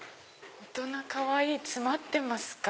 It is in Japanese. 大人かわいい詰まってますか？